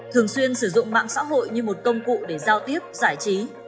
thường xuyên sử dụng mạng xã hội như một công cụ để giao tiếp giải trí